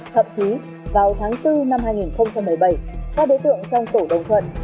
thậm chí vào tháng bốn năm hai nghìn một mươi bảy các đối tượng trong tổ đồng thuận